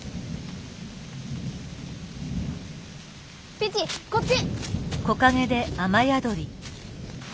ペチこっち！